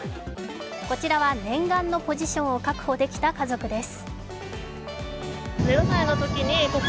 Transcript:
こちらは念願のポジションを確保できた家族です。